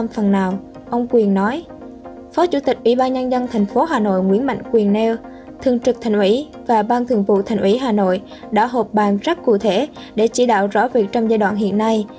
phó chủ tịch ủy ban nhân dân thành phố hà nội nguyễn mạnh quyền nêu thương trực thành ủy và ban thường vụ thành ủy hà nội đã hộp bàn rất cụ thể để chỉ đạo rõ việc trong giai đoạn hiện nay